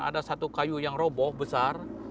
ada satu kayu yang roboh besar